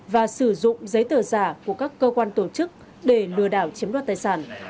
và sử dụng giấy tờ giả của các cơ quan tổ chức để lừa đảo chiếm đoạt tài sản